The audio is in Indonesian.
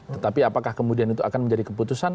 tetapi apakah kemudian itu akan menjadi keputusan